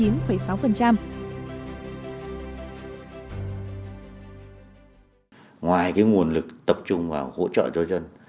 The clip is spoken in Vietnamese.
ngoài cái nguồn lực tập trung vào hỗ trợ cho dân